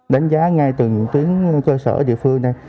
đánh giá ngay từ những tuyến cơ sở địa phương này